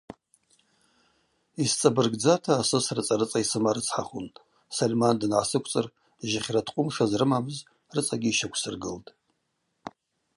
Йсцӏабыргдзата асыс рыцӏа-рыцӏа йсымарыцхӏахун, Сольман дангӏасыквцӏыр жьыхьра ткъвым шазрымамыз рыцӏагьи йщаквсыргылтӏ.